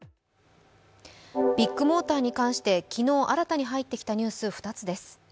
ビッグモーターに関して昨日新たに入ってきたニュース２つです。